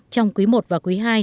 trong quý i và quý ii